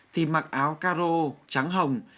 thì mặc áo caro trắng hồng